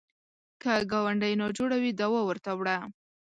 که ګاونډی ناجوړه وي، دوا ورته وړه